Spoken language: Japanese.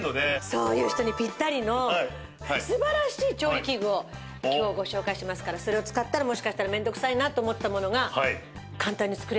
そういう人にピッタリの素晴らしい調理器具を今日ご紹介しますからそれを使ったらもしかしたら面倒くさいなと思ってたものが簡単に作れるかも。